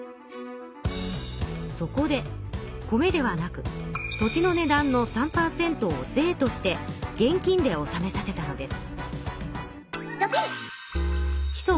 そこで米ではなく土地の値段の３％を税として現金でおさめさせたのです。